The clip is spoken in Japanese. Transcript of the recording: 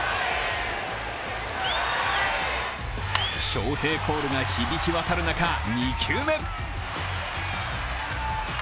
翔平コールが響き渡る中２球目。